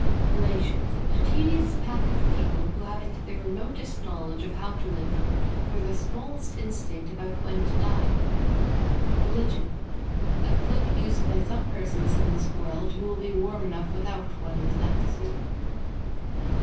=RELATIONS= A tedious pack of people who haven't the remotest knowledge of how to live nor the smallest instinct about when to die. =RELIGION= A cloak used by some persons in this world who will be warm enough without one in the next.